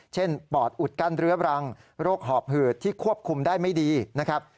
ปอดอุดกั้นเรื้อรังโรคหอบหืดที่ควบคุมได้ไม่ดีนะครับ